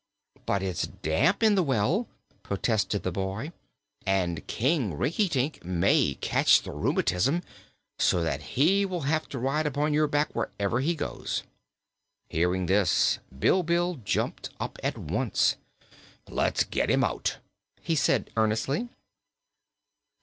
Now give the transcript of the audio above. "But it is damp in the well," protested the boy, "and King Rinkitink may catch the rheumatism, so that he will have to ride upon your back wherever he goes." Hearing this, Bilbil jumped up at once. "Let's get him out," he said earnestly.